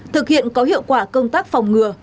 thực hiện có hiệu quả công tác phòng ngừa